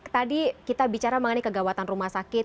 tadi kita bicara mengenai kegawatan rumah sakit